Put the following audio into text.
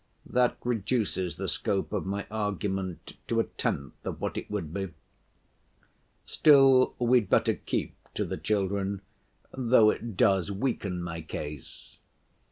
That reduces the scope of my argument to a tenth of what it would be. Still we'd better keep to the children, though it does weaken my case.